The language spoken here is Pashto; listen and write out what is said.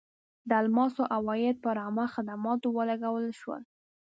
د الماسو عواید پر عامه خدماتو ولګول شول.